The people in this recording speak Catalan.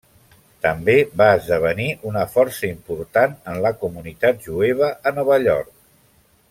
També va esdevenir una força important en la comunitat jueva a Nova York.